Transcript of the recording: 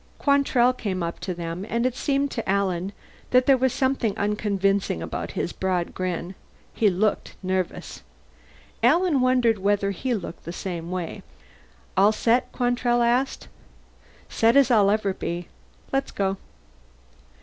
Quantrell came up to them, and it seemed to Alan that there was something unconvincing about his broad grin. He looked nervous. Alan wondered whether he looked the same way. "All set?" Quantrell asked. "Set as I'll ever be. Let's go."